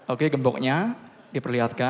oke gemboknya diperlihatkan